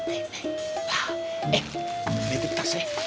eh ini tasnya